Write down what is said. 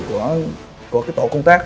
có cái tổ công tác